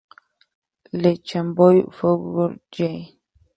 Le Chambon-Feugerolles